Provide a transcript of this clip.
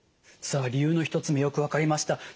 さあ理由の１つ目よく分かりました。